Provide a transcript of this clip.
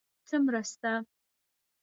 _څه مرسته؟